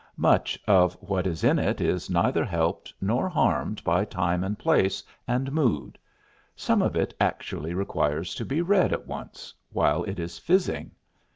Much of what is in it is neither helped nor harmed by time and place and mood; some of it actually requires to be read at once while it is fizzing.